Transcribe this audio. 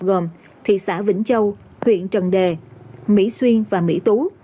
gồm thị xã vĩnh châu huyện trần đề mỹ xuyên và mỹ tú